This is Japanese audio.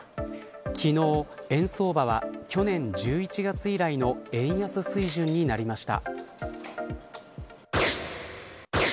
昨日、円相場は去年１１月以来の円安水準になりました。